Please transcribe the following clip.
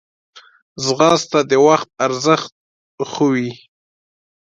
ځغاسته د وخت ارزښت ښووي